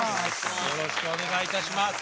よろしくお願いします。